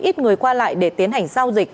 ít người qua lại để tiến hành giao dịch